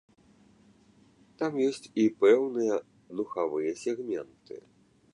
Там ёсць і пэўныя духавыя сегменты.